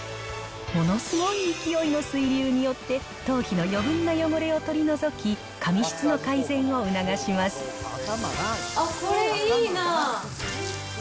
ものすごい勢いの水流によって、頭皮の余分な汚れを取り除き、あっ、これいいな。